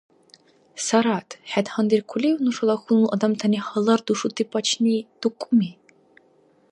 Сарат, хӀед гьандиркулив нушала хьунул адамтани гьалар душути пачни, дукӀуми?